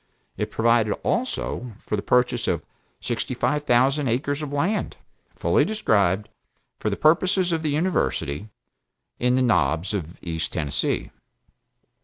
It provided also for the purchase of sixty five thousand acres of land, (fully described) for the purposes of the University, in the Knobs of East Tennessee.